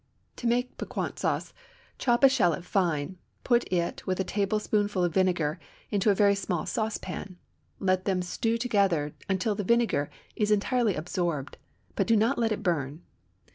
To make Piquante sauce, chop a shallot fine, put it, with a tablespoonful of vinegar, into a very small saucepan; let them stew together until the vinegar is entirely absorbed, but do not let it burn.